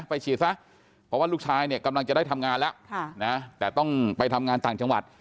ไปฉีดซะเพราะว่าลูกชายเนี่ยกำลังจะได้ทำงานแล้วแต่ต้องไปทำงานต่างจังหวัด